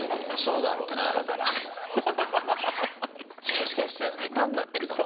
もしかしたら下手になってるかも。